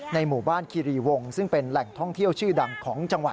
หมู่บ้านคีรีวงซึ่งเป็นแหล่งท่องเที่ยวชื่อดังของจังหวัด